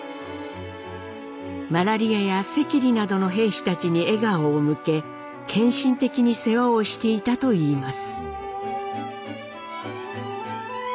マラリアや赤痢などの兵士たちに笑顔を向け献身的に世話をしていたといいます。